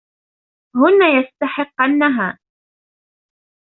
هن يستحقنها.